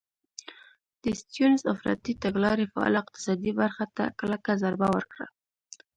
د سټیونز افراطي تګلارې فعاله اقتصادي برخه ته کلکه ضربه ورکړه.